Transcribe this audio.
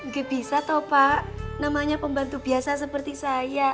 gak bisa tau pak namanya pembantu biasa seperti saya